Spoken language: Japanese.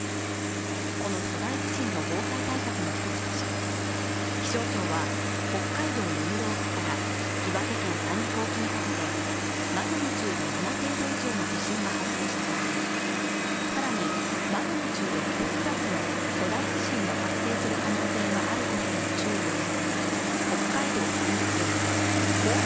この巨大地震の防災対策の一つとして気象庁は北海道根室沖から岩手県三陸沖にかけてマグニチュード７程度以上の地震が発生した場合に更にマグニチュード９クラスの巨大地震の発生する可能性があることへの注意を促す北海道三陸沖後発